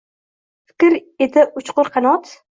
Fikr edi uchqur qanot